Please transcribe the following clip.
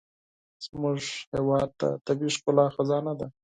زموږ هېواد د طبیعي ښکلا خزانه ده.